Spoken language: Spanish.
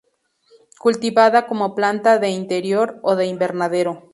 Cultivada como planta de interior o de invernadero.